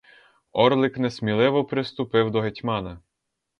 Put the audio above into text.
Орлик несміливо приступив до гетьмана.